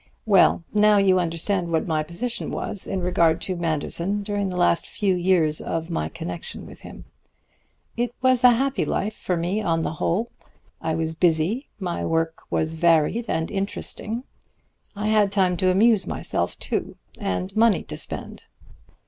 "Well, now you understand what my position was in regard to Manderson during the last few years of my connection with him. It was a happy life for me on the whole. I was busy, my work was varied and interesting. I had time to amuse myself, too, and money to spend.